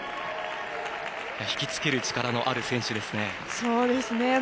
ひきつける力のある選手ですね。